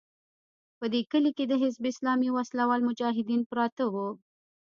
په دې کلي کې د حزب اسلامي وسله وال مجاهدین پراته وو.